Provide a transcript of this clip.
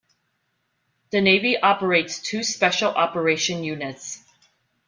The navy operates two special operation units.